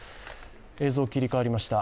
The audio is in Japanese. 映像切り替わりました、